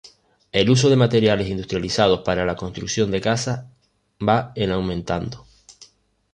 El uso de materiales industrializados para la construcción de casas va en aumentando.